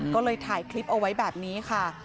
ก็เลยถ่ายคลิปเอาไว้แบบนี้ค่ะ